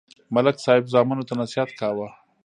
ملک صاحب زامنو ته نصیحت کاوه.